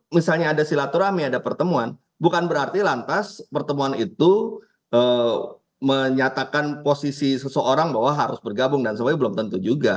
misalnya ada silaturahmi ada pertemuan bukan berarti lantas pertemuan itu menyatakan posisi seseorang bahwa harus bergabung dan sebagainya belum tentu juga